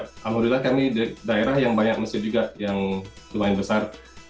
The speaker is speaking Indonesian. alhamdulillah kami daerah yang banyak mesir juga yang lumayan besar